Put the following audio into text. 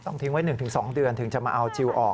ทิ้งไว้๑๒เดือนถึงจะมาเอาจิลออก